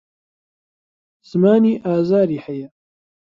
زمانی ئازاری هەیە.